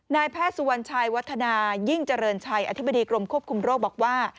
นายแพทย์สุวรรณชัยวัฒนายิ่งเจริญชัยอธิบดีกรมควบคุมโรคบอกว่า